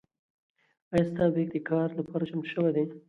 ایا ستا بیک د کار لپاره چمتو شوی دی؟